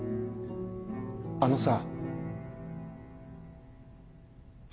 あのさ。